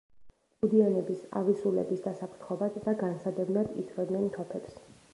კუდიანების, ავი სულების დასაფრთხობად და განსადევნად ისროდნენ თოფებს.